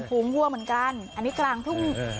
ฝูงวัวเหมือนกันอันนี้กลางทุ่ง